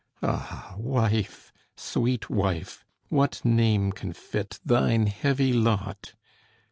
Ah wife, sweet wife, what name Can fit thine heavy lot?